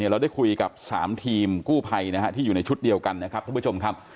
เราได้คุยกับ๓ทีมกู้ภัยที่อยู่ในชุดเดียวกันนะครับท่านผู้ชมครับ